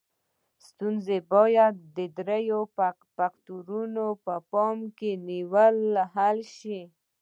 ستونزې باید د دریو فکتورونو په پام کې نیولو حل شي.